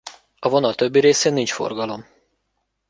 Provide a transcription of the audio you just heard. A vonal többi részén nincs forgalom.